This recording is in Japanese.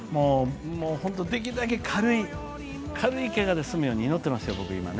本当にできるだけ軽いけがで済むように祈ってますよ。